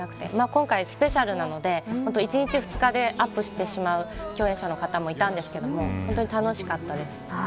今回スペシャルなので１日、２日でアップしてしまう共演者の方もいたんですけども本当に、楽しかったです。